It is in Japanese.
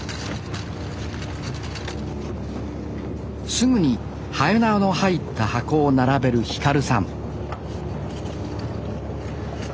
すぐにはえなわの入った箱を並べる輝さん